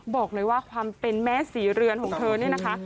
บอกเลยว่าความเป็นแม่ศรีเรือนของเธอเนี่ยนะคะ